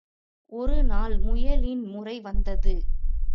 ஒருநாள் முயலின் முறை வந்தது.